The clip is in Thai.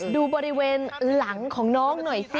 ดูบริเวณหลังของน้องหน่อยสิ